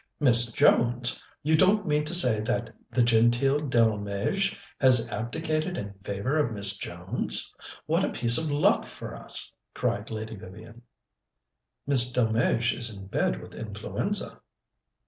"Miss Jones? You don't mean to say that the genteel Delmege has abdicated in favour of Miss Jones? What a piece of luck for us!" cried Lady Vivian. "Miss Delmege is in bed with influenza."